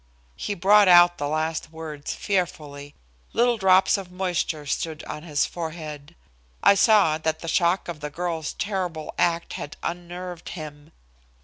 He brought out the last words fearfully. Little drops of moisture stood on his forehead. I saw that the shock of the girl's terrible act had unnerved him.